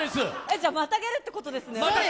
じゃ、またげるってことですね！